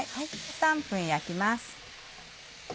３分焼きます。